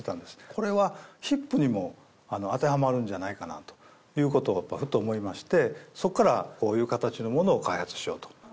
これはヒップにも当てはまるんじゃないかなということをふと思いましてそっからこういう形のものを開発しようと。